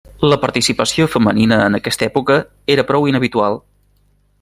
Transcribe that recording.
La participació femenina en aquesta època era prou inhabitual.